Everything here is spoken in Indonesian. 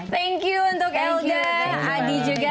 thank you untuk elda adi juga